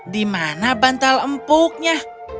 di mana bantal empuknya